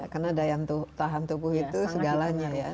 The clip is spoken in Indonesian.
karena daya tahan tubuh itu segalanya